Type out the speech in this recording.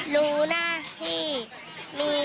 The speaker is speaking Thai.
รู้นะที่มีวินัยฝ่ายความดี